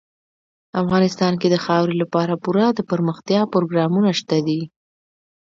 افغانستان کې د خاورې لپاره پوره دپرمختیا پروګرامونه شته دي.